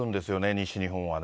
西日本はね。